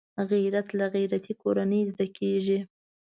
غیرت له غیرتي کورنۍ زده کېږي